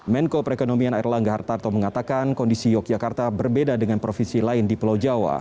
menko perekonomian erlangga hartarto mengatakan kondisi yogyakarta berbeda dengan provinsi lain di pulau jawa